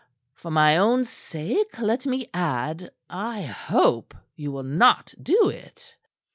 For my own sake, let me add, I hope you will not do it."